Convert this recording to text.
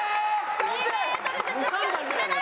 ２メートルずつしか進めない。